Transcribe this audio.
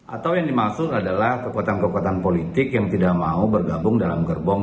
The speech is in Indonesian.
atau yang dimaksud adalah kekuatan kekuatan politik yang tidak mau bergabung dalam gerbong